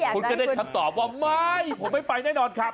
คุณก็ได้คำตอบว่าไม่ผมไม่ไปแน่นอนครับ